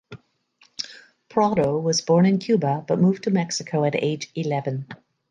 Prado was born in Cuba but moved to Mexico at age eleven.